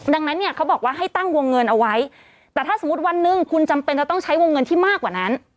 ดังนั้นเนี่ยเขาบอกว่าให้ตั้งวงเงินเอาไว้แต่ถ้าสมมุติวันหนึ่งคุณจำเป็นจะต้องใช้วงเงินที่มากกว่านั้น